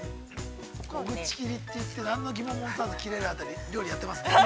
◆小口切りと言ってなんの疑問も持たず切れるあたり料理やってますね。